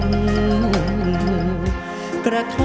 จะใช้หรือไม่ใช้ครับ